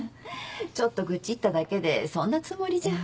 ちょっと愚痴っただけでそんなつもりじゃ。